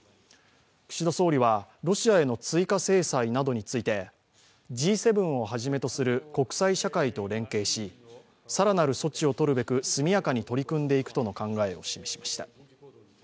岸田総理はロシアへの追加制裁などについてＧ７をはじめとする国際社会と連携し、更なる措置をとるべく速やかに取り組んでいくとの考えを示しました。